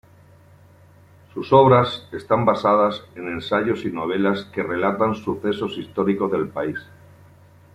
Sus obras están basadas en ensayos y novelas que relatan sucesos históricos del país.